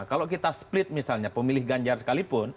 kalau kita split misalnya pemilih ganjar sekalipun